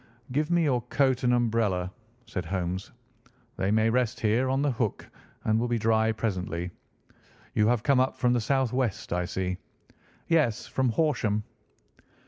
"Give me your coat and umbrella," said Holmes. "They may rest here on the hook and will be dry presently. You have come up from the south west, I see." "Yes, from Horsham."